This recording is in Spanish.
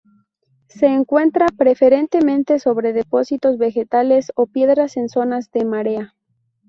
Se encuentra preferentemente sobre depósitos vegetales o piedras en zonas de marea.